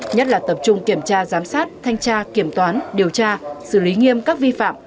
nhất là tập trung kiểm tra giám sát thanh tra kiểm toán điều tra xử lý nghiêm các vi phạm